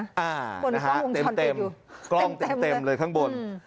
อ่านะฮะเต็มกล้องเต็มเลยข้างบน